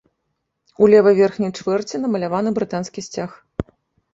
У левай верхняй чвэрці намаляваны брытанскі сцяг.